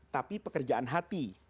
tapi pekerjaan hati